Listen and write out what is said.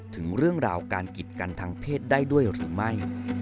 ถึงเรื่องราวการกิจกันทางเพศได้ด้วยหรือไม่